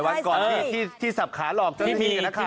วันก่อนที่สับขาหลอกเจ้านักข่าว